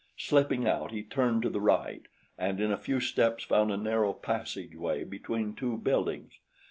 Slipping out, he turned to the right and in a few steps found a narrow passageway between two buildings.